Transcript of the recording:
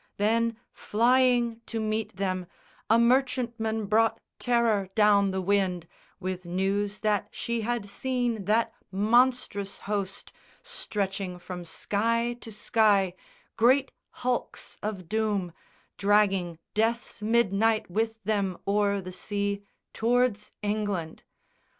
Then, flying to meet them, A merchantman brought terror down the wind, With news that she had seen that monstrous host Stretching from sky to sky, great hulks of doom, Dragging death's midnight with them o'er the sea Tow'rds England.